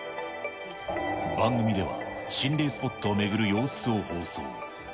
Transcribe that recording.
番組では心霊スポットを巡る様子を放送。